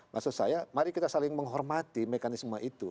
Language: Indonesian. maksud saya mari kita saling menghormati mekanisme itu